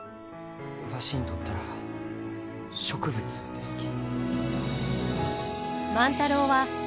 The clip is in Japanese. わしにとったら植物ですき。